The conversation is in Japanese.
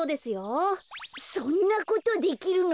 そんなことできるの？